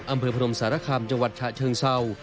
อำเภอพนมสารคามจังหวัดฉะเชิงเศร้า